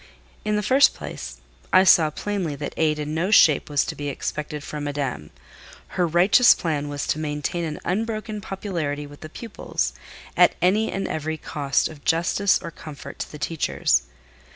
In, the first place, I saw plainly that aid in no shape was to be expected from Madame: her righteous plan was to maintain an unbroken popularity with the pupils, at any and every cost of justice or comfort to the teachers.